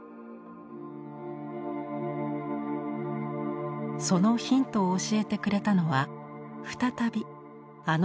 そのヒントを教えてくれたのは再びあの画家でした。